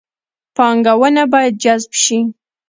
پانګونه باید جذب شي